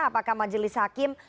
apakah majelis hakim